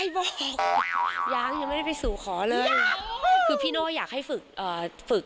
บอกยังยังไม่ได้ไปสู่ขอเลยคือพี่โน่อยากให้ฝึกฝึก